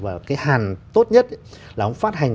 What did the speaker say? và cái hàn tốt nhất là ông phát hành